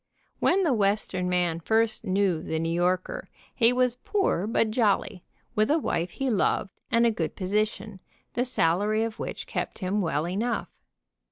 When the Western man first knew the New Yorker he was poor but jolly, with a wife he loved, and a good position, the salary of which kept him well enough.